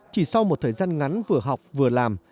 chỉ sau một thời gian ngắn vừa học vừa làm